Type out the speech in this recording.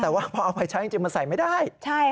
แต่ว่าพอเอาไปใช้จริงมันใส่ไม่ได้